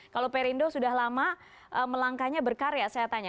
kalau perindo sudah lama melangkahnya berkarya saya tanya